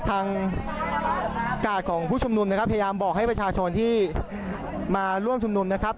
ทางกาดของผู้ชุมนุมนะครับพยายามบอกให้ประชาชนที่มาร่วมชุมนุมนะครับ